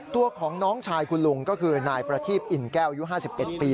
ตัวของน้องชายคุณลุงก็คือนายประทีพอินแก้วอายุ๕๑ปี